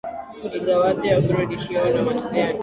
igawaje hakuridhishwa na matokeo ya duru